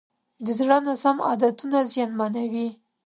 د زړه ناسم عادتونه زیانمنوي.